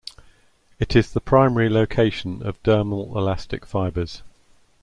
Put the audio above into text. It is the primary location of dermal elastic fibers.